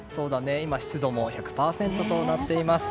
湿度も１００％となっています。